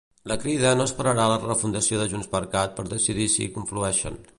La Crida no esperarà la refundació de JxCat per decidir si hi conflueix.